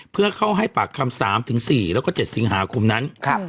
เพื่อเข้าให้ปากคำ๓๔แล้วก็๗สิงหาคมนั้น